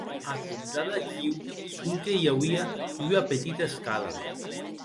A compdar d'aquiu, sonque i auie ua petita escala.